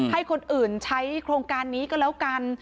ให้คนอื่นใช้โครงการนี้ก็แล้วกัน